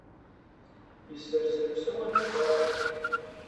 Yesserser usawal n Dda Racid.